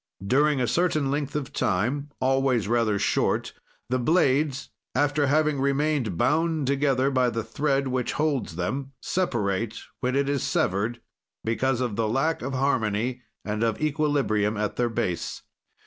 "During a certain length of time, always rather short, the blades, after having remained bound together by the thread which holds them, separate, when it is severed because of the lack of harmony and of equilibrium at their base.